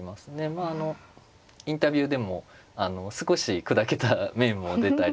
まああのインタビューでも少し砕けた面も出たり。